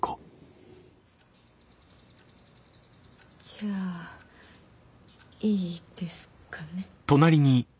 じゃあいいですかね。